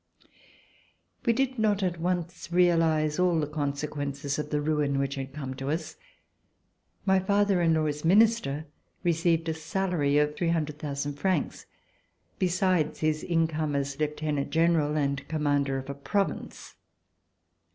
We did not at once realize all the consequences of the ruin which had come to us. My father in law as Minister received a salary of 300,000 francs, besides his income as Lieutenant General and Commander of a province.